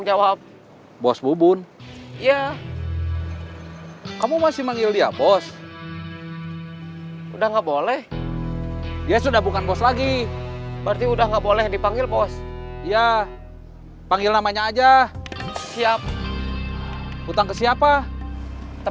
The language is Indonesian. jangan laut atau selesai quite